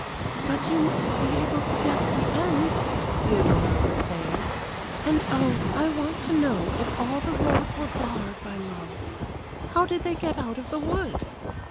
"But you must be able to guess the end," Theodora was saying; "and oh, I want to know, if all the roads were barred by love how did they get out of the wood?"